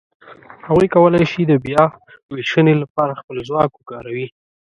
هغوی کولای شي د بیاوېشنې لهپاره خپل ځواک وکاروي.